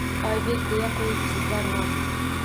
Oybek deya qo’yibsizlar nom.